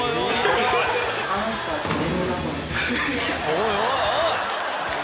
おいおいおい！